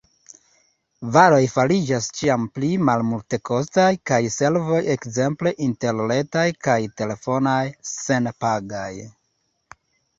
Varoj fariĝas ĉiam pli malmultekostaj, kaj servoj – ekzemple interretaj kaj telefonaj – senpagaj.